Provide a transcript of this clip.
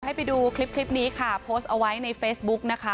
ให้ไปดูคลิปนี้ค่ะโพสต์เอาไว้ในเฟซบุ๊กนะคะ